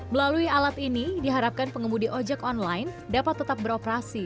melalui alat ini diharapkan pengemudi ojek online dapat tetap beroperasi